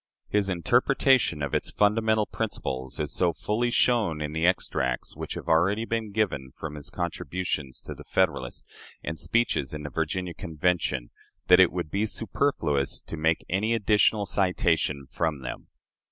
His interpretation of its fundamental principles is so fully shown in the extracts which have already been given from his contributions to the "Federalist" and speeches in the Virginia Convention, that it would be superfluous to make any additional citation from them.